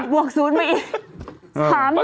บวกรูบฟัง๐ไปอีก๓ตัว